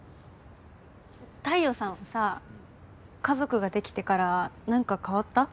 太陽さんはさ家族ができてから何か変わった？